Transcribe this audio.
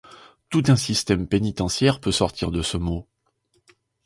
Tout un système pénitentiaire peut sortir de ce mot.